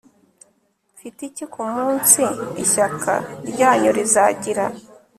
Mfite iki kumunsi ishyaka ryanyu rizagira